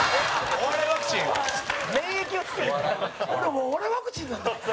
俺、お笑いワクチンなんだ。